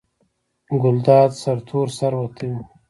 ګلداد سرتور سر وتی و.